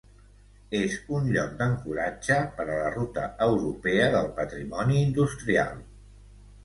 És un lloc d'ancoratge per a la Ruta europea del patrimoni industrial.